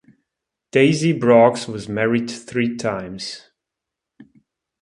Daisy Breaux was married three times.